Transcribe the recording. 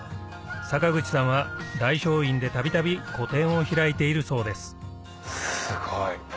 坂口さんは大聖院で度々個展を開いているそうですすごい。